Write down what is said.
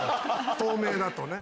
透明だと。